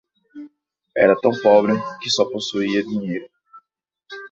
Era tão pobre que só possuía dinheiro